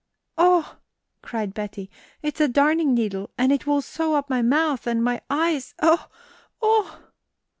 "Oh!" cried Betty, "it's a darning needle, and it will sew up my mouth and my eyes oh, oh!"